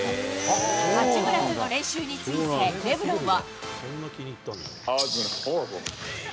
八村との練習について、レブロンは。